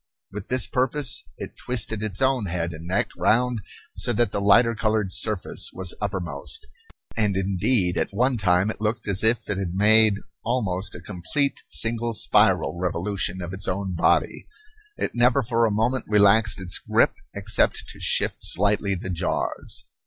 With this purpose it twisted its own head and neck round so that the lighter colored surface was uppermost; and indeed at one time it looked as if it had made almost a complete single spiral revolution of its own body. It never for a moment relaxed its grip except to shift slightly the jaws.